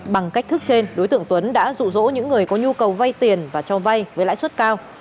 bằng cách thức trên đối tượng tuấn đã rụ rỗ những người có nhu cầu vay tiền và cho vay với lãi suất cao